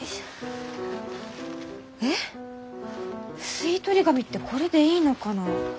吸い取り紙ってこれでいいのかな？